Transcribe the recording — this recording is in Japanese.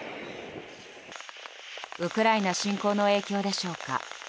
ウクライナ侵攻の影響でしょうか。